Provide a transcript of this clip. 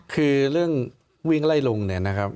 คือเรื่องวิ่งไล่ลงเนี่ยนะครับ